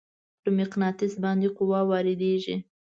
پر مقناطیس باندې قوه وارد کیږي.